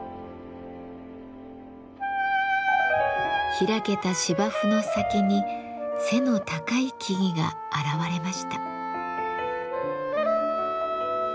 開けた芝生の先に背の高い木々が現れました。